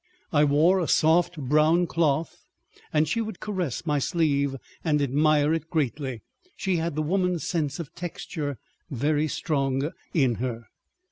I wore a soft brown cloth and she would caress my sleeve and admire it greatly—she had the woman's sense of texture very strong in her.